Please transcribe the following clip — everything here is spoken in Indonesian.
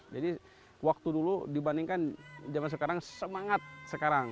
jadi waktu dulu dibandingkan zaman sekarang semangat sekarang